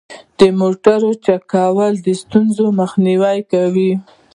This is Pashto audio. د موټرو چک کول د ستونزو مخنیوی کوي.